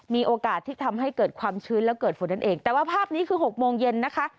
มีโอกาสที่ทำให้เกิดความชื้นและเกิดฝนนั่นเองแต่ว่าภาพนี้คือ๖โมงเย็นนะคะ